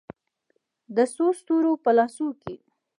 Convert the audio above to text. د څو ستورو په لاسو کې